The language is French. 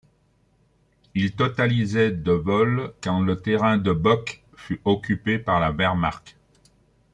Il totalisait de vol quand le terrain de Buc fut occupé par la Wehrmacht.